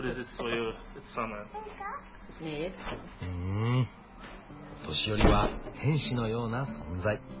んお年寄りは天使のような存在。